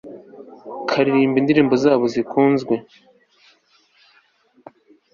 baririmba indirimbo zabo zikunzwe-